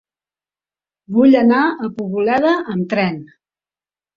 Vull anar a Poboleda amb tren.